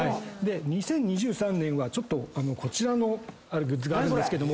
２０２３年はこちらのあるグッズがあるんですけども。